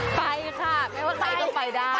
ไปค่ะไม่ว่าใครก็ไปได้